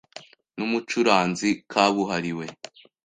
numucuranzi kabuhariwe.